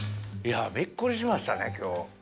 いやびっくりしましたね今日。